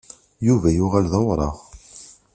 Yuba yuɣal d awraɣ.